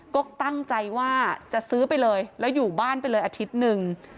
ก็ตั้งใจว่าจะซื้อไปเลยแล้วอยู่บ้านไปเลยอาทิตย์หนึ่ง